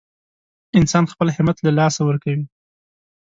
انسان خپل همت له لاسه ورکوي.